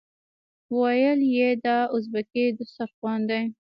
ویل یې دا ازبکي دسترخوان دی.